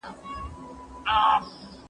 سياست د ښار د مديريت سره اړيکه لري.